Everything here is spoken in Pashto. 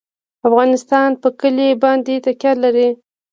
افغانستان په کلي باندې تکیه لري.